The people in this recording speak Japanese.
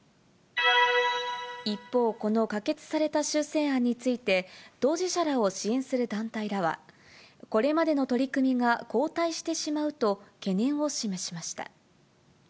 一方、この可決された修正案について、当事者らを支援する団体らは、これまでの取り組みが後退してしまうと、懸念を示しました。